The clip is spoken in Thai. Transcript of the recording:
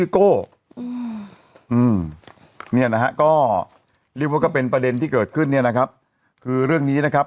ก็เรียกว่าเป็นประเด็นที่เกิดขึ้นนี่นะครับคือเรื่องนี้นะครับ